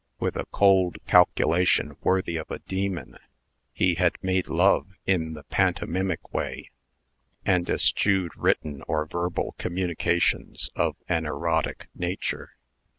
With a cold calculation worthy of a demon, he had made love in the pantomimic way, and eschewed written or verbal communications of an erotic nature.